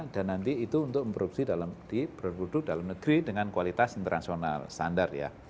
dan nanti itu untuk memproduksi dalam di berbuduk dalam negeri dengan kualitas internasional standar ya